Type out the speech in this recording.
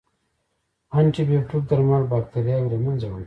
انټيبیوټیک درمل باکتریاوې له منځه وړي.